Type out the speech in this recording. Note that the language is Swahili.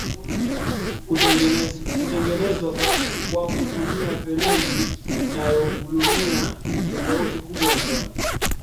kutengenezwa kwa kutumia feleji inayovumilia tofauti kubwa za